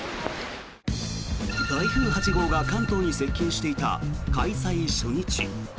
台風８号が関東に接近していた開催初日。